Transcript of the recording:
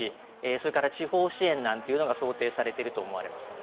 それから地方支援なんかが想定されていると思います。